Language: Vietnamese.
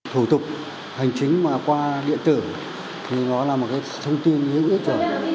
thủ tục hành chính qua điện tử thì nó là một thông tin yếu nhất rồi